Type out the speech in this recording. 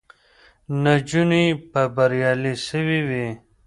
نجونې به بریالۍ سوې وي.